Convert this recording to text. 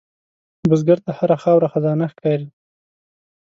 بزګر ته هره خاوره خزانه ښکاري